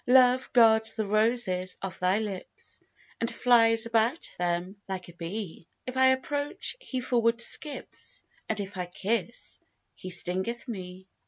Love guards the roses of thy lips, And flies about them like a bee: If I approach, he forward skips, And if I kiss, he stingeth me.